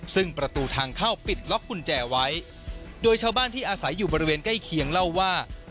ซึ่งประตูทางเข้าปิดล็อกกุญแจไว้โดยชาวบ้านที่อาศัยอยู่บริเวณใกล้เคียงเล่าว่า